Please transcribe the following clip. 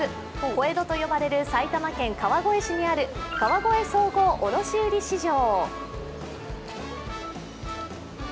小江戸と呼ばれる埼玉県川越市にある川越総合卸売市場。